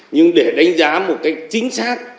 nhưng để đánh giá một cách chính xác